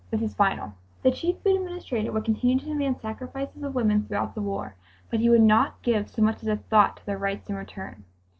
This is final." The Chief Food Administrator would continue to demand sacrifices of women throughout the war, but he would not give so much as a thought to their rights in return.